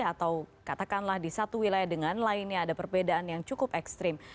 atau katakanlah di satu wilayah dengan lainnya ada perbedaan yang cukup ekstrim